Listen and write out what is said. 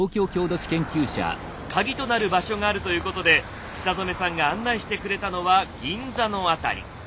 カギとなる場所があるということで久染さんが案内してくれたのは銀座の辺り。